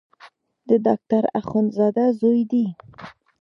د ډاکټر اخندزاده زوی دی.